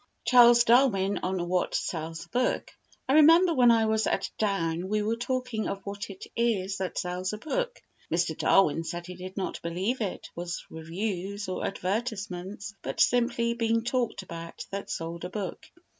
Charles Darwin on what Sells a Book I remember when I was at Down we were talking of what it is that sells a book. Mr. Darwin said he did not believe it was reviews or advertisements, but simply "being talked about" that sold a book.